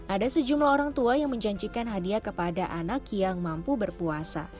ada sejumlah orang tua yang menjanjikan hadiah kepada anak yang mampu berpuasa